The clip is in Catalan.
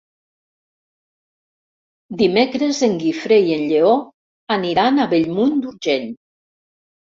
Dimecres en Guifré i en Lleó aniran a Bellmunt d'Urgell.